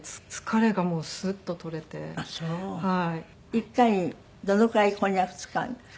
１回にどのくらいこんにゃく使うんですか？